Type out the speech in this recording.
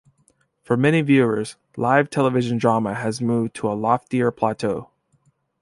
For many viewers, live television drama had moved to a loftier plateau.